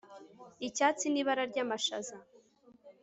icyatsi ni ibara ryamashaza